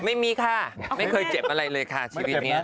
ไม่มีค่ะไม่เคยเจ็บอะไรเลยค่ะชีวิตนี้